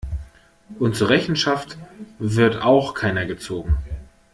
Und zur Rechenschaft wird auch keiner gezogen.